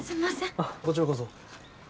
あっこちらこそ。